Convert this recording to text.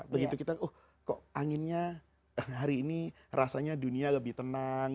begitu kita oh kok anginnya hari ini rasanya dunia lebih tenang